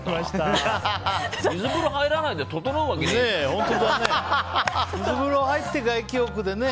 水風呂入らないでととのうわけがね。